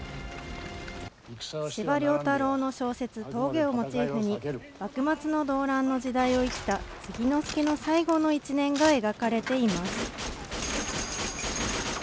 司馬遼太郎の小説、峠をモチーフに、幕末の動乱の時代を生きた継之助の最後の１年が描かれています。